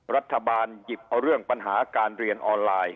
รัฐบาลหยิบเอาเรื่องปัญหาการเรียนออนไลน์